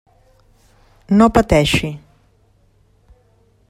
No pateixi.